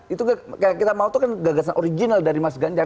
itu kayak kita mau itu kan gagasan original dari mas ganjar